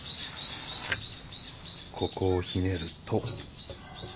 ここをひねると。